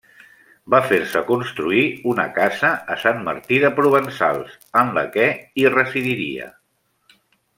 Va fer-se construir una casa a Sant Martí de Provençals en la que hi residiria.